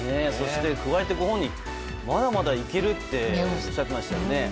加えてご本人まだまだいけるっておっしゃってましたね。